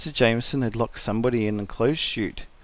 Jamieson had locked somebody in the clothes chute.